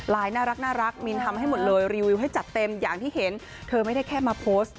น่ารักมินทำให้หมดเลยรีวิวให้จัดเต็มอย่างที่เห็นเธอไม่ได้แค่มาโพสต์